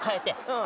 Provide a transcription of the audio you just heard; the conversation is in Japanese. うん。